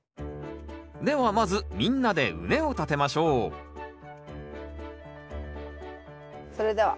ではまずみんなで畝を立てましょうそれでは。